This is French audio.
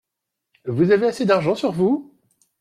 Vous avez assez d’argent sur vous ?